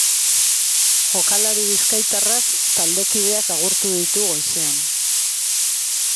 Jokalari bizkaitarrak taldekideak agurtu ditu goizean.